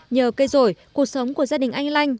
nhờ cây rổi cuộc sống của gia đình anh lanh